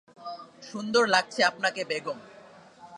সুন্দর লাগছে আপনাকে বেগম।